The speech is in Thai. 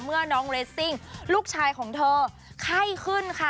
เมื่อน้องเรสซิ่งลูกชายของเธอไข้ขึ้นค่ะ